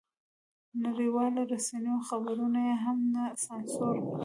نړیوالو رسنیو خبرونه یې هم سانسور کړل.